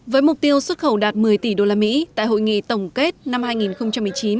với mục tiêu xuất khẩu đạt một mươi tỷ usd tại hội nghị tổng kết năm hai nghìn một mươi chín